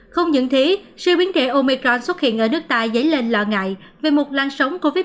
không những thế sự biến thể omicron xuất hiện ở nước ta dấy lên lợi ngại về một lan sống covid một mươi chín